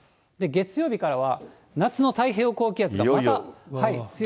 月曜日からは夏の太平洋高気圧が、いよいよ。